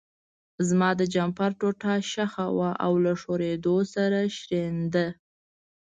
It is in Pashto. زما د جمپر ټوټه شخه وه او له شورېدو سره شریده.